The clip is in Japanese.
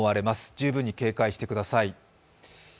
十分に警戒してください。